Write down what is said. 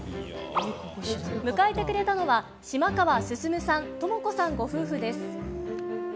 迎えてくれたのは島川晋さん、とも子さんご夫婦です。